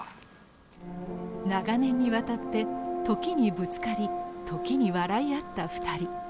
長年にわたって時にぶつかり時に笑い合った２人。